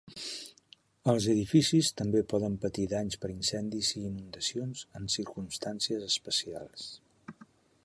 Els edificis també poden patir danys per incendis i inundacions en circumstàncies especials.